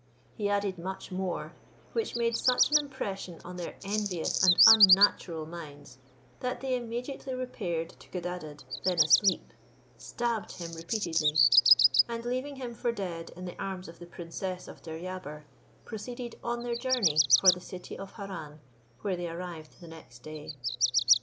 He added much more, which made such an impression on their envious and unnatural minds, that they immediately repaired to Codadad, then asleep, stabbed him repeatedly, and leaving him for dead in the arms of the princess of Deryabar, proceeded on their journey for the city of Harran, where they arrived the next day.